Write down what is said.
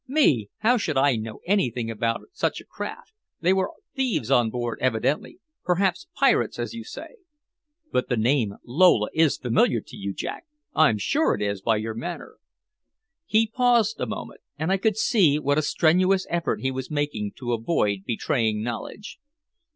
"Me! How should I know anything about such a craft? They were thieves on board evidently perhaps pirates, as you say." "But the name Lola is familiar to you, Jack! I'm sure it is, by your manner." He paused a moment, and I could see what a strenuous effort he was making to avoid betraying knowledge.